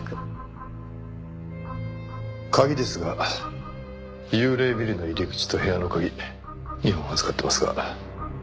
鍵ですが幽霊ビルの入り口と部屋の鍵２本預かってますが。